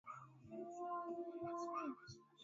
sasa tunayo amani na utulivu